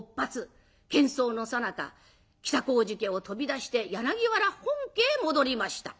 けん騒のさなか北小路家を飛び出して柳原本家へ戻りました。